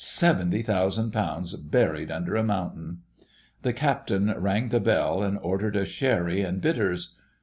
"Seventy thousand pounds buried under a mountain!" The Captain rang the bell and ordered a sherry and bitters.